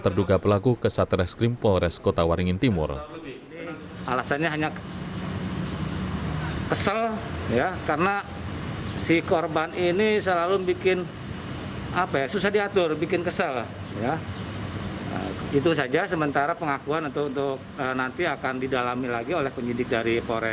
terduga pelaku ke satreskrim polres kota waringin timur